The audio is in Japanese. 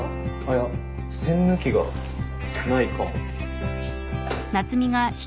いや栓抜きがないかも。